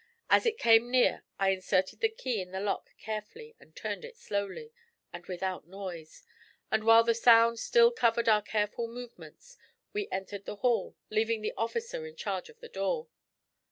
As it came near I inserted the key in the lock carefully and turned it slowly, and without noise; and while the sound still covered our careful movements, we entered the hall, leaving the officer in charge of the door.